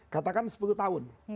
katakan sepuluh tahun